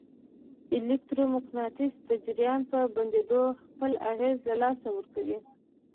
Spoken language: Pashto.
الکترو مقناطیس د جریان په بندېدو خپل اغېز له لاسه ورکوي.